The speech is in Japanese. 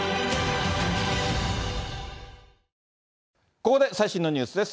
ここで最新のニュースです。